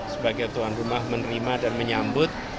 sebagai tuan rumah menerima dan menyambut